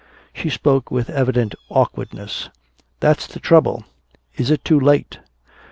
She spoke with evident awkwardness. "That's the trouble. Is it too late?